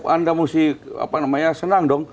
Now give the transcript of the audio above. anda mesti senang dong